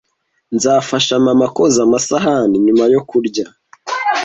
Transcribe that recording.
Nzafasha mama koza amasahani nyuma yo kurya